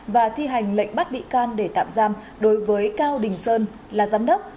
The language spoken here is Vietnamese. và thi hành lệnh bắt bị can để tạm giam đối với cao đình sơn là giám đốc